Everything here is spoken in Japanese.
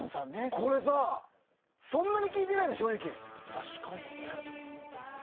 これさ、そんなに聴いてないの正直。